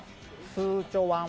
スーチョワン